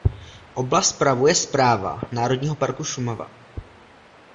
Oblast spravuje Správa Národního parku Šumava.